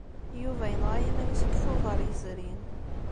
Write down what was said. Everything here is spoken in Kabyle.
Yuba yenɣa iman-is deg Tubeṛ yezrin.